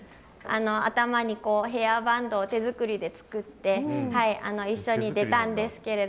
頭にヘアバンドを手作りで作ってはい一緒に出たんですけれども。